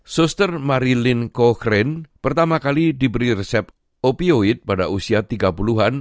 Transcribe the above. soster marilyn cochrane pertama kali diberi resep opioid pada usia tiga puluh an